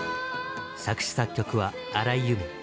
作詞作曲は荒井由実。